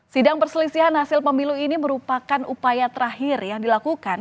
sidang perselisihan hasil pemilu ini merupakan upaya terakhir yang dilakukan